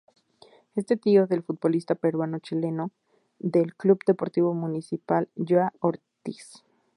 Es tío del futbolista peruano-chileno del Club Deportivo Municipal, João Ortiz.